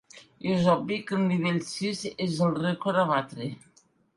És obvi que el nivell sis és el rècord a batre.